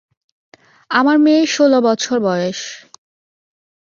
আমার মেয়ের ষোলো বছর বয়স।